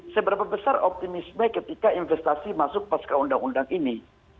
seberapa besar optimisme ketika investasi masuk pasca undang undang ini